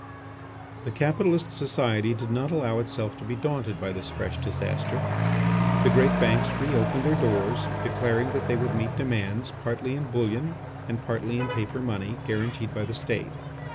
The capitalist society did not allow itself to be daunted by this fresh disaster. The great banks re opened their doors, declaring that they would meet demands partly in bullion and partly in paper money guaranteed by the State.